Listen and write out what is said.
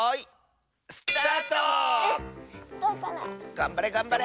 がんばれがんばれ！